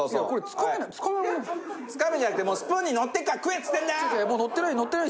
つかむんじゃなくてもうスプーンにのってるから食えっつってんだよ！